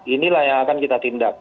inilah yang akan kita tindak